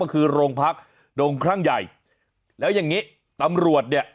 ก็คือโรงพักดงคลั่งใหญ่แล้วอย่างงี้ตำรวจเนี่ย